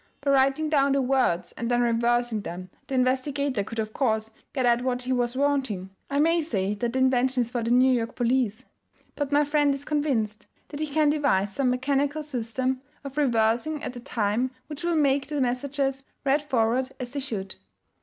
By writing down the words and then reversing them the investigator could of course get at what he was wanting, I may say that the invention is for the New York police but my friend is convinced that he can devise some mechanical system of reversing at the time which will make the messages read forward as they should.